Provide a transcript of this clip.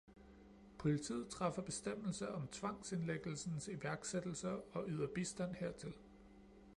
Politiet træffer bestemmelse om tvangsindlæggelsens iværksættelse og yder bistand hertil.